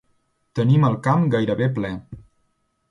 Tenim el camp gairebé ple.